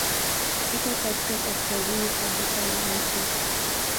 Iko katika kaskazini kabisa ya nchi.